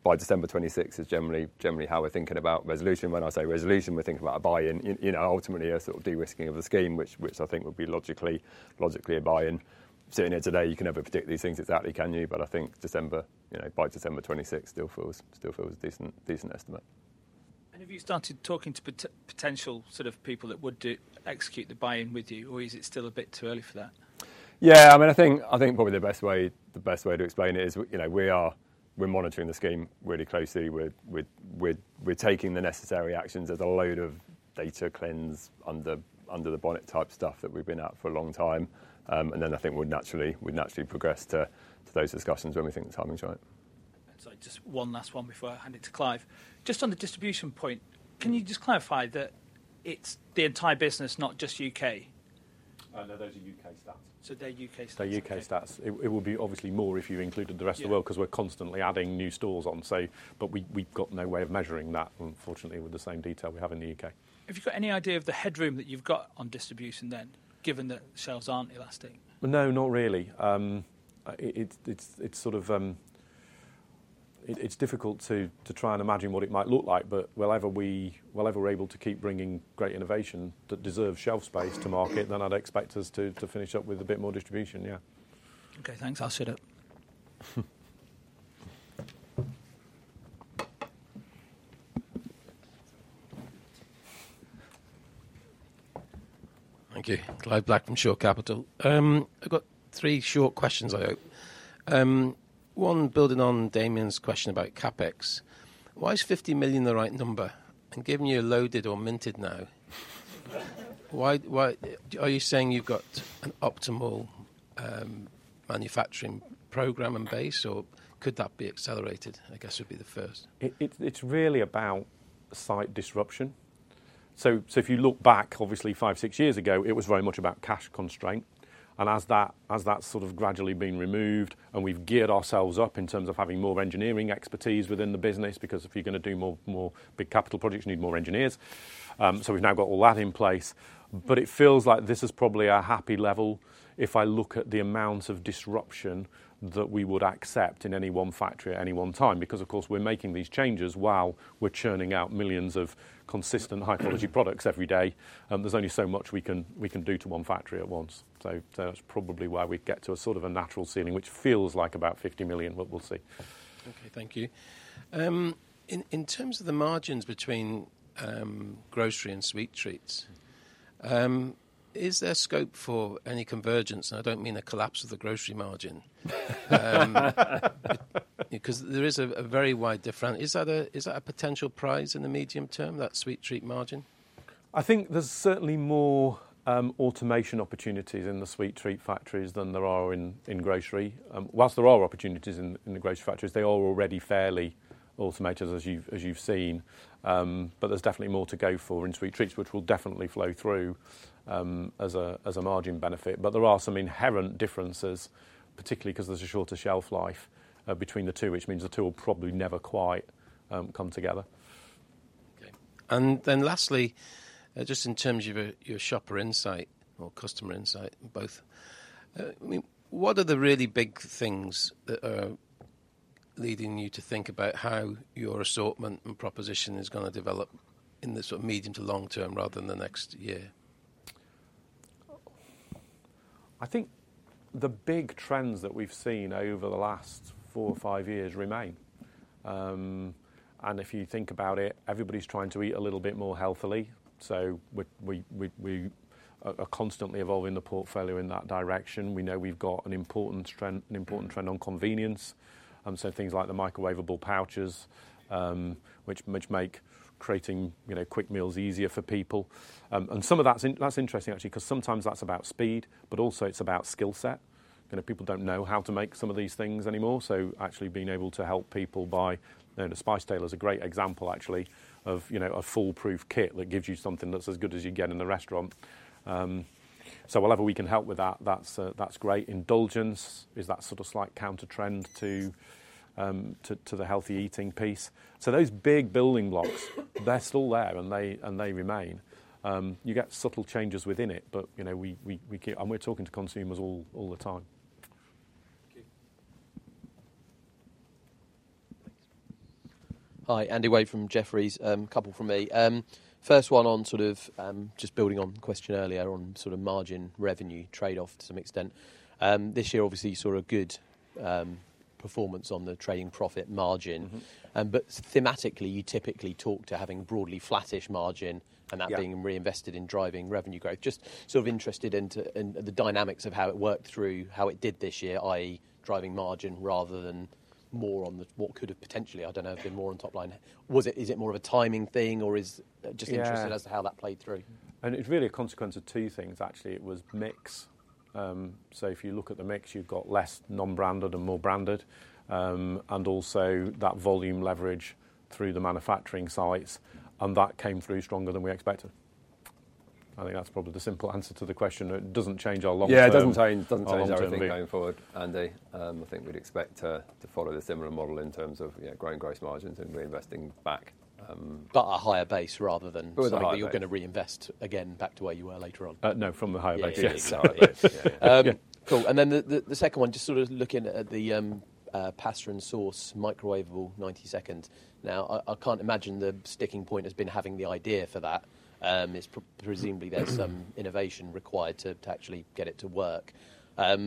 by December 2026 is generally how we're thinking about resolution. When I say resolution, we're thinking about a buy-in, you know, ultimately a sort of de-risking of the scheme, which I think would be logically a buy-in. Sitting here today, you can never predict these things exactly, can you? I think December, you know, by December 2026 still feels a decent estimate.
Have you started talking to potential sort of people that would execute the buy-in with you, or is it still a bit too early for that?
Yeah, I mean, I think probably the best way to explain it is, you know, we are monitoring the scheme really closely. We're taking the necessary actions. There's a load of data cleans under the bonnet type stuff that we've been at for a long time. I think we'd naturally progress to those discussions when we think the timing's right.
Just one last one before I hand it to Clive. Just on the distribution point, can you just clarify that it's the entire business, not just U.K.?
No, those are U.K. stats.
So they're U.K. stats.
They're U.K. stats. It will be obviously more if you included the rest of the world because we're constantly adding new stores on. We have no way of measuring that, unfortunately, with the same detail we have in the U.K.
Have you got any idea of the headroom that you've got on distribution then, given that shelves aren't elastic?
No, not really. It's sort of difficult to try and imagine what it might look like. Wherever we're able to keep bringing great innovation that deserves shelf space to market, then I'd expect us to finish up with a bit more distribution.
Yeah. Okay. Thanks. I'll sit up.
Thank you. Clive Black from Shore Capital. I've got three short questions, I hope. One building on Damian's question about CapEx. Why is 50 million the right number? Given you are loaded or minted now, why are you saying you have got an optimal manufacturing program and base, or could that be accelerated? I guess that would be the first.
It is really about site disruption. If you look back, obviously five, six years ago, it was very much about cash constraint. As that has sort of gradually been removed and we have geared ourselves up in terms of having more engineering expertise within the business, because if you are going to do more big capital projects, you need more engineers. We have now got all that in place. It feels like this is probably a happy level if I look at the amount of disruption that we would accept in any one factory at any one time. Because of course, we're making these changes while we're churning out millions of consistent high-quality products every day. There's only so much we can do to one factory at once. That's probably why we'd get to a sort of a natural ceiling, which feels like about 50 million, but we'll see.
Okay. Thank you. In terms of the margins between grocery and sweet treats, is there scope for any convergence? I do not mean a collapse of the grocery margin, because there is a very wide difference. Is that a potential prize in the medium term, that sweet treat margin?
I think there's certainly more automation opportunities in the sweet treat factories than there are in grocery. Whilst there are opportunities in the grocery factories, they are already fairly automated, as you've seen. There is definitely more to go for in sweet treats, which will definitely flow through as a margin benefit. There are some inherent differences, particularly because there is a shorter shelf life between the two, which means the two will probably never quite come together.
Okay. Lastly, just in terms of your shopper insight or customer insight, both, I mean, what are the really big things that are leading you to think about how your assortment and proposition is going to develop in the sort of medium to long term rather than the next year?
I think the big trends that we have seen over the last four or five years remain. If you think about it, everybody is trying to eat a little bit more healthily. We are constantly evolving the portfolio in that direction. We know we've got an important trend, an important trend on convenience. So things like the microwavable pouches, which make creating, you know, quick meals easier for people. And some of that's interesting actually, 'cause sometimes that's about speed, but also it's about skillset. You know, people don't know how to make some of these things anymore. So actually being able to help people by, you know, the The Spice Tailor is a great example actually of, you know, a foolproof kit that gives you something that's as good as you get in the restaurant. So whatever we can help with that, that's great. Indulgence is that sort of slight counter trend to the healthy eating piece. Those big building blocks, they're still there and they remain. You get subtle changes within it, but you know, we keep, and we are talking to consumers all the time.
Thank you.
Hi, Andy Wade from Jefferies. Couple from me. First one on sort of, just building on the question earlier on sort of margin revenue trade-off to some extent. This year obviously saw a good performance on the trading profit margin. Thematically you typically talk to having broadly flattish margin and that being reinvested in driving revenue growth. Just sort of interested in the dynamics of how it worked through, how it did this year, i.e. driving margin rather than more on the, what could have potentially, I do not know, been more on top line. Was it, is it more of a timing thing or is just interested as to how that played through?
It is really a consequence of two things actually. It was mix. So if you look at the mix, you've got less non-branded and more branded. And also that volume leverage through the manufacturing sites and that came through stronger than we expected. I think that's probably the simple answer to the question. It does not change our long term. Yeah, it does not change, does not change anything going forward, Andy. I think we'd expect to follow a similar model in terms of, you know, growing gross margins and reinvesting back.
But a higher base rather than something that you're gonna reinvest again back to where you were later on.
No, from the higher base. Yes. Sorry.
Yeah. Cool. And then the second one, just sort of looking at the pasta and sauce microwavable 90 seconds. Now I, I can't imagine the sticking point has been having the idea for that. It's presumably there's some innovation required to actually get it to work. Not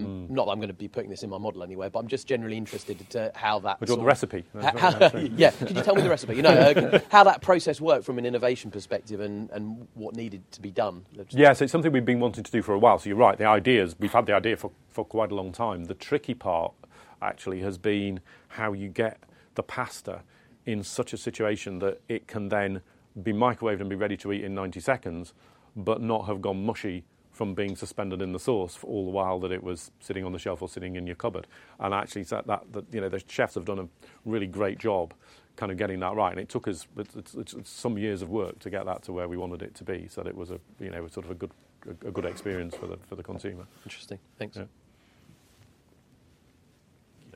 that I'm gonna be putting this in my model anyway, but I'm just generally interested to how that sort of.
We've got the recipe.
Yeah. Could you tell me the recipe? You know, how that process worked from an innovation perspective and what needed to be done.
Yeah. It's something we've been wanting to do for a while. You're right. The idea is, we've had the idea for quite a long time. The tricky part actually has been how you get the pasta in such a situation that it can then be microwaved and be ready to eat in 90 seconds, but not have gone mushy from being suspended in the sauce for all the while that it was sitting on the shelf or sitting in your cupboard. Actually, you know, the chefs have done a really great job kind of getting that right. It took us some years of work to get that to where we wanted it to be so that it was a, you know, sort of a good experience for the consumer.
Interesting. Thanks. Yeah.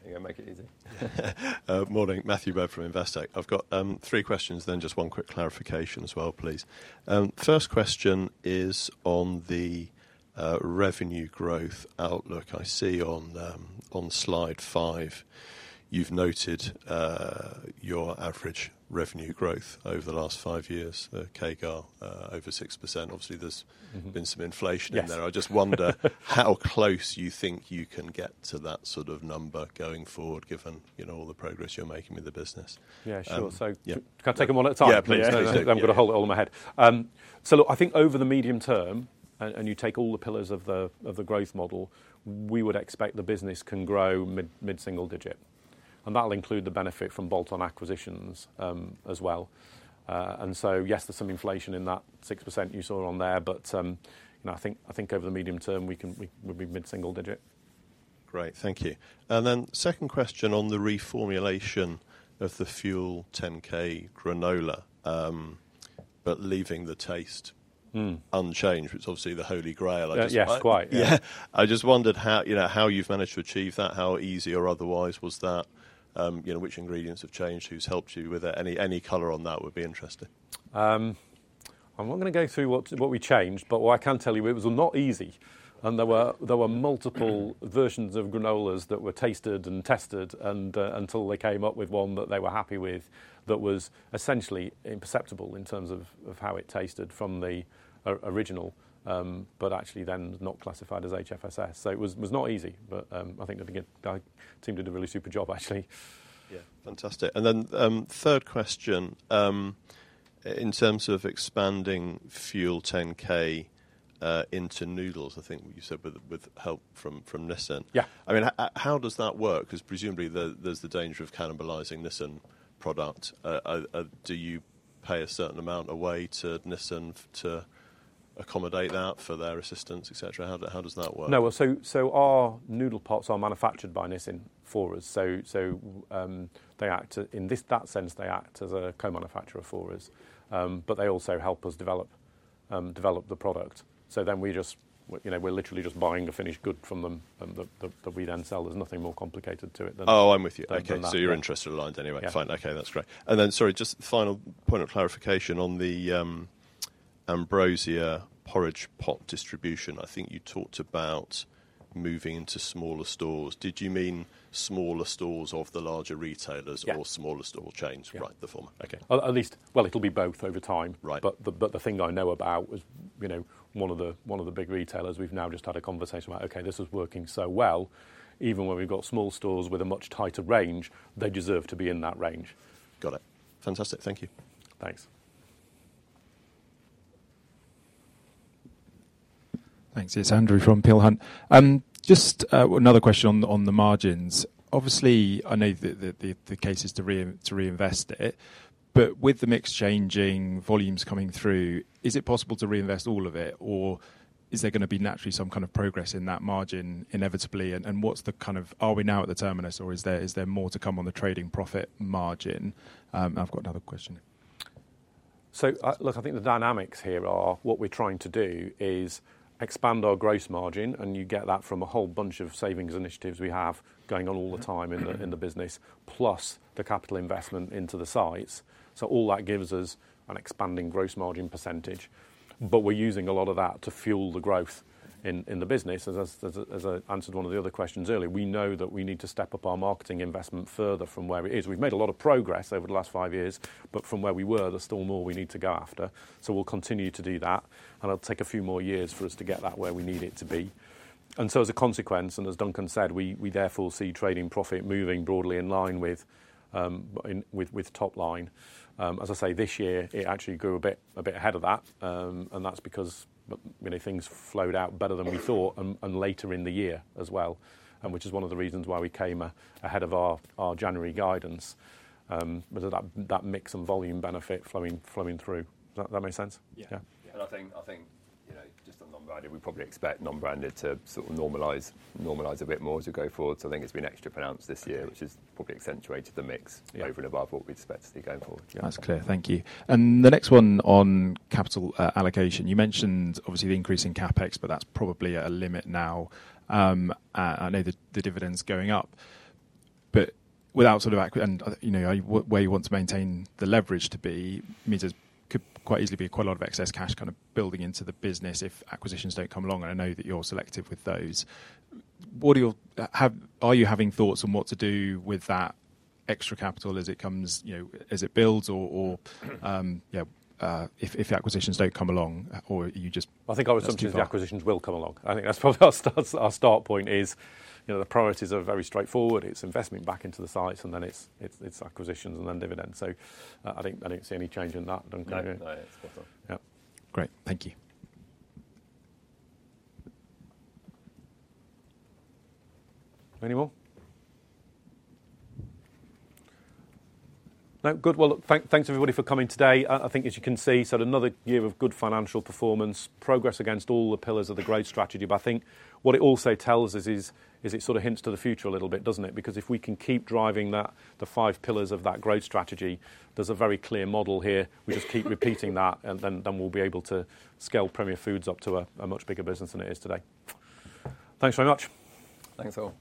You are gonna make it easy.
Morning, Matthew Berg from Investec. I've got three questions, then just one quick clarification as well, please. First question is on the revenue growth outlook. I see on slide five, you've noted your average revenue growth over the last five years, CAGR, over 6%. Obviously, there's been some inflation in there. I just wonder how close you think you can get to that sort of number going forward? Given, you know, all the progress you're making with the business.
Yeah, sure. Can I take 'em one at a time?
Yeah, please.
No, I'm gonna hold it all in my head. Look, I think over the medium term, and you take all the pillars of the growth model, we would expect the business can grow mid, mid-single digit. That'll include the benefit from bolt-on acquisitions as well. Yes, there's some inflation in that 6% you saw on there. But, you know, I think over the medium term we can, we would be mid-single digit.
Great. Thank you. Second question on the reformulation of the FUEL10K granola, but leaving the taste unchanged, which is obviously the holy grail. I just.
Yeah, quite.
Yeah. I just wondered how, you know, how you've managed to achieve that, how easy or otherwise was that? You know, which ingredients have changed? Who's helped you with it? Any color on that would be interesting.
I'm not gonna go through what we changed, but what I can tell you, it was not easy. There were multiple versions of granolas that were tasted and tested until they came up with one that they were happy with that was essentially imperceptible in terms of how it tasted from the original, but actually then not classified as HFSS. It was not easy, but I think that we did a really super job actually.
Yeah. Fantastic. Third question, in terms of expanding FUEL10K into noodles, I think you said with help from Nissin. Yeah. I mean, how does that work? 'Cause presumably there's the danger of cannibalizing Nissin product. Do you pay a certain amount away to Nissin to accommodate that for their assistance, et cetera? How does that work?
No. Our noodle parts are manufactured by Nissin for us. In that sense, they act as a co-manufacturer for us, but they also help us develop the product. We are literally just buying a finished good from them and then we sell. There is nothing more complicated to it than that.
Oh, I am with you. Okay. So you are interested in lines anyway. Fine. Okay. That is great. And then, sorry, just final point of clarification on the Ambrosia porridge pots distribution. I think you talked about moving into smaller stores. Did you mean smaller stores of the larger retailers or smaller store chains?
Right. The former. Okay. At least, it'll be both over time. Right. The thing I know about is, you know, one of the big retailers, we've now just had a conversation about, okay, this is working so well. Even when we've got small stores with a much tighter range, they deserve to be in that range.
Got it. Fantastic. Thank you.
Thanks.
Thanks. It's Andrew from Peel Hunt. Just another question on the margins. Obviously I know that the case is to reinvest it, but with the mix changing, volumes coming through, is it possible to reinvest all of it or is there gonna be naturally some kind of progress in that margin inevitably? What's the kind of, are we now at the terminus or is there more to come on the trading profit margin? I have got another question.
I think the dynamics here are what we are trying to do is expand our gross margin and you get that from a whole bunch of savings initiatives we have going on all the time in the business, plus the capital investment into the sites. All that gives us an expanding gross margin percentage, but we are using a lot of that to fuel the growth in the business. As I answered one of the other questions earlier, we know that we need to step up our marketing investment further from where it is. We have made a lot of progress over the last five years, but from where we were, there is still more we need to go after. We'll continue to do that and it'll take a few more years for us to get that where we need it to be. As a consequence, and as Duncan said, we therefore see trading profit moving broadly in line with top line. As I say, this year it actually grew a bit ahead of that. That's because, you know, things flowed out better than we thought and later in the year as well, which is one of the reasons why we came ahead of our January guidance. That mix and volume benefit flowing through. Does that make sense?
Yeah. I think, you know, just on non-branded, we probably expect non-branded to sort of normalize a bit more as we go forward. I think it's been extra pronounced this year, which has probably accentuated the mix over and above what we expect to see going forward.
That's clear. Thank you. The next one on capital allocation, you mentioned obviously the increase in CapEx, but that's probably at a limit now. I know the dividends going up, but without sort of acquis and, you know, where you want to maintain the leverage to be means there could quite easily be quite a lot of excess cash kind of building into the business if acquisitions don't come along. I know that you are selective with those. What are your, are you having thoughts on what to do with that extra capital as it comes, you know, as it builds or, yeah, if acquisitions don't come along or you just?
I think I was thinking the acquisitions will come along. I think that's probably our start point is, you know, the priorities are very straightforward. It's investment back into the sites and then it's acquisitions and then dividends. I don't see any change in that.
No, it's better.
Yeah. Great. Thank you.
Any more? No? Good. Thanks, thanks everybody for coming today. I think as you can see, another year of good financial performance progress against all the pillars of the growth strategy. I think what it also tells us is it sort of hints to the future a little bit, doesn't it? Because if we can keep driving that, the five pillars of that growth strategy, there's a very clear model here. We just keep repeating that and then we'll be able to scale Premier Foods up to a much bigger business than it is today. Thanks very much. Thanks all.